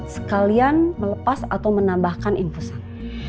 sekalian melepas atau menambahkan infusan